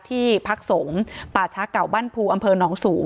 ที่พักศงปาชะกับบ้านภูอำเภอหนองสูง